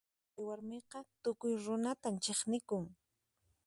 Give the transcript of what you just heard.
Chay warmiqa tukuy runatan chiqnikun.